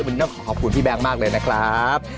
มันต้องขอขอบคุณพี่แบงค์มากเลยนะครับ